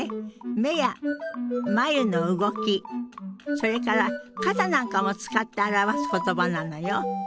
目や眉の動きそれから肩なんかも使って表す言葉なのよ。